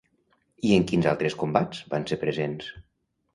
I en quins altres combats van ser presents?